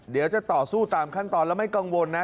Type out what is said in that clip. เดี๋ยวจะต่อสู้ตามขั้นตอนแล้วไม่กังวลนะ